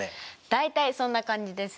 大体そんな感じですね。